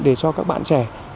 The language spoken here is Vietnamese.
để cho các bạn trẻ